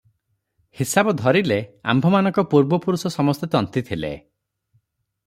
ହିସାବ ଧରିଲେ ଆମ୍ଭମାନଙ୍କ ପୂର୍ବପୁରୁଷ ସମସ୍ତେ ତନ୍ତୀ ଥିଲେ ।